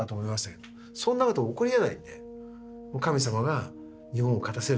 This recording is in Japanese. そんなこと起こりえないんで。